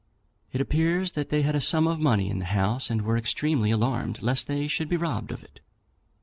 It appears that they had a sum of money in the house, and were extremely alarmed lest they should be robbed of it.